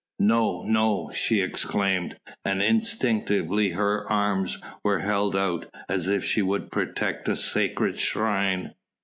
"No! no!" she exclaimed, and instinctively her arms were held out, as if she would protect a sacred shrine.